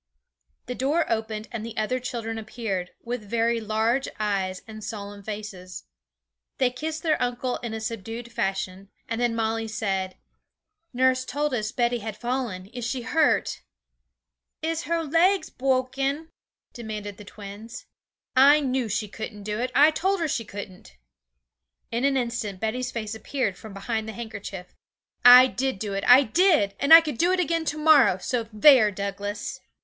The door opened, and the other children appeared, with very large eyes and solemn faces. They kissed their uncle in a subdued fashion, and then Molly said, 'Nurse told us Betty had fallen, is she hurt?' 'Is her legs bwoken?' demanded the twins. 'I knew she couldn't do it; I told her she couldn't!' In an instant Betty's face appeared from behind her handkerchief. 'I did do it; I did! and I could do it again to morrow; so there, Douglas!'